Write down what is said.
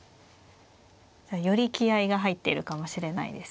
じゃあより気合いが入っているかもしれないですね。